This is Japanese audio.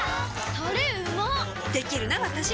タレうまっできるなわたし！